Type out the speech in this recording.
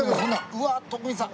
うわっ徳光さん。